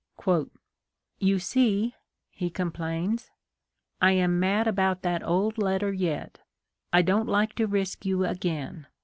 " You see," he complains, " I am mad about that old letter yet. I don't like to risk you again.